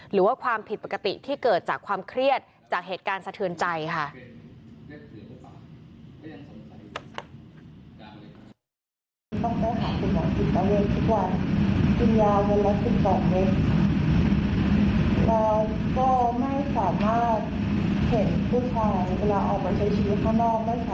หรือว่าความผิดปกติที่เกิดจากความเครียดจากเหตุการณ์สะเทือนใจค่ะ